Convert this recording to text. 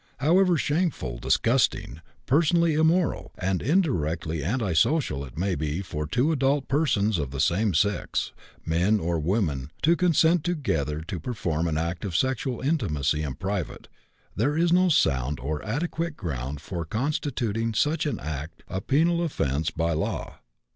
However shameful, disgusting, personally immoral, and indirectly antisocial it may be for two adult persons of the same sex, men or women, to consent together to perform an act of sexual intimacy in private, there is no sound or adequate ground for constituting such act a penal offense by law.